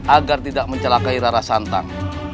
agar tidak mencelakai rara santang